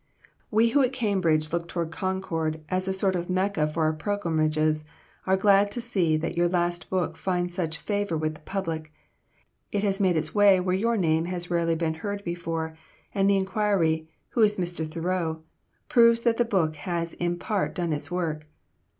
"We who at Cambridge look toward Concord as a sort of Mecca for our pilgrimages, are glad to see that your last book finds such favor with the public. It has made its way where your name has rarely been heard before, and the inquiry, 'Who is Mr. Thoreau?' proves that the book has in part done its work.